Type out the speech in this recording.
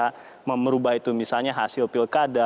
faktor yang bisa merubah itu misalnya hasil pilkada